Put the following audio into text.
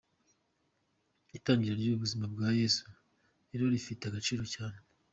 Itangiriro ry’ubuzima bwa Yesu rero rifite agaciro cyane.